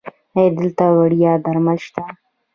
ایا دلته وړیا درمل شته؟